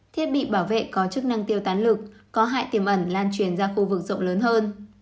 thiết bị bảo vệ có chức năng tiêu tán lực có hại tiềm ẩn lan truyền ra khu vực rộng lớn hơn